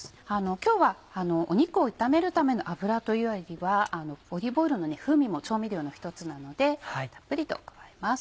今日は肉を炒めるための油というよりはオリーブオイルの風味も調味料の一つなのでたっぷりと加えます。